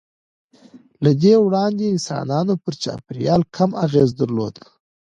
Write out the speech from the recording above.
له دې وړاندې انسانانو پر چاپېریال کم اغېز درلود.